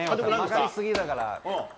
上がり過ぎだから。